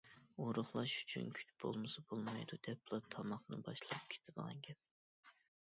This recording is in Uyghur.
ئورۇقلاش ئۈچۈن كۈچ بولمىسا بولمايدۇ، دەپلا تاماقنى باشلاپ كېتىدىغان گەپ.